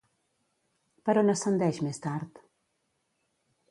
Per on ascendeix més tard?